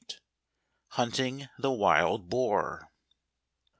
Hunting the wild Boar